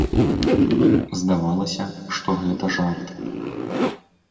Здавалася, што гэта жарт.